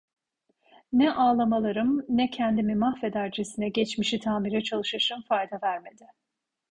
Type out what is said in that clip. Ne ağlamalarım, ne kendimi mahvedercesine geçmişi tamire çalışışım fayda vermedi.